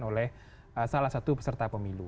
oleh salah satu peserta pemilu